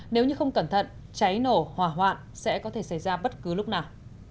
nếu như không cẩn thận cháy nổ hỏa hoạn sẽ có thể xảy ra bất cứ lúc nào